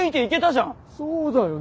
そうだよ。